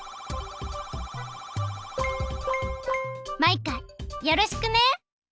マイカよろしくね！